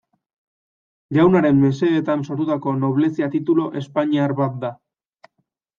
Jaunaren mesedetan sortutako noblezia titulu espainiar bat da.